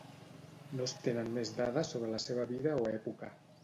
No es tenen més dades sobre la seva vida o època.